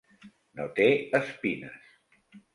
No té espines.